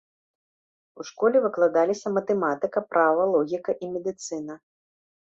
У школе выкладаліся матэматыка, права, логіка і медыцына.